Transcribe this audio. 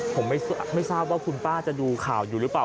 ผมไม่ทราบว่าคุณป้าจะดูข่าวอยู่หรือเปล่า